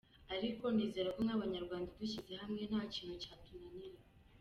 Ariko nizera ko nk’abanyarwanda dushyize hamwe nta kintu cyatunanira.